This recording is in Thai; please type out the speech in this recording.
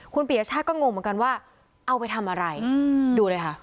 คุณปียชาติก็งงเหมือนกันว่าเอาไปทำอะไรดูเลยค่ะ